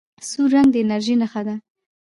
سور رنګ د انرژۍ نښه ده.